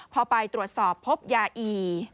พอไปตรวจสอบพบยาอี